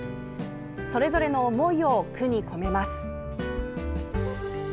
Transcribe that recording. それぞれの思いを句に込めます。